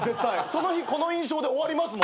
その日この印象で終わります。